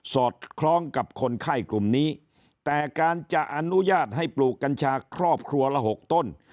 สอดคล้องกับคนไข้กลุ่มนี้แต่การจะอนุญาตให้ปลูกกัญชาครอบครัวละหกต้น